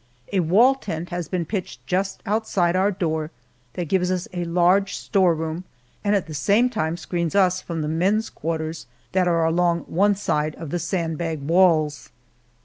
A wall tent has been pitched just outside our door that gives us a large storeroom and at the same time screens us from the men's quarters that are along one side of the sandbag walls.